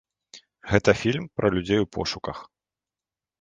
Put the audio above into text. Гэта фільм пра людзей у пошуках.